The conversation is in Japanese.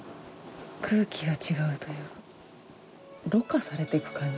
空気が違うというか、ろ過されてく感じ。